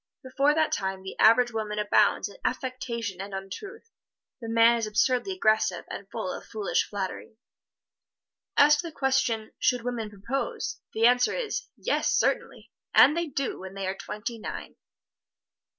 Before that time the average woman abounds in affectation and untruth; the man is absurdly aggressive and full of foolish flattery. As to the question, "Should women propose?" the answer is, "Yes, certainly, and they do when they are twenty nine."